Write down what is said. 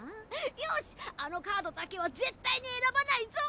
よしあのカードだけは絶対に選ばないぞ！